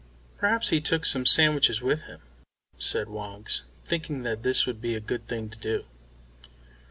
"Perhaps he took some sandwiches with him," said Woggs, thinking that this would be a good thing to do.